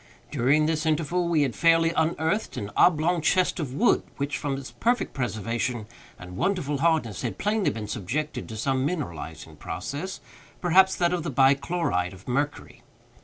During this interval we had fairly unearthed an oblong chest of wood, which, from its perfect preservation and wonderful hardness, had plainly been subjected to some mineralizing process—perhaps that of the bi chloride of mercury.